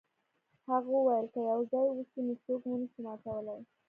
هغه وویل که یو ځای اوسئ نو څوک مو نشي ماتولی.